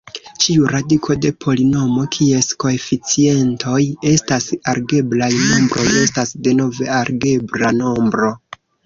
Ĉiu radiko de polinomo kies koeficientoj estas algebraj nombroj estas denove algebra nombro.